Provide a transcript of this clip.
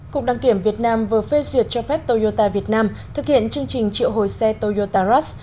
cục đăng kiểm việt nam vừa phê duyệt cho phép toyota việt nam thực hiện chương trình triệu hồi xe toyota rush